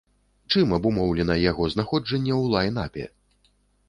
Чым абумоўлена яго знаходжанне ў лайн-апе?